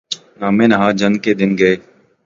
نام نہاد جہاد کے دن گئے۔